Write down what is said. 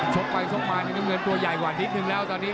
ชกไปชกมาน้ำเงินตัวใหญ่กว่านิดนึงแล้วตอนนี้